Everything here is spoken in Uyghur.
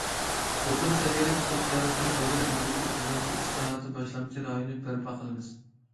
يۇقىرى سەۋىيەلىك سوتسىيالىستىك بازار ئىگىلىكى تۈزۈلمىسى ئىسلاھاتى باشلامچى رايونى بەرپا قىلىمىز.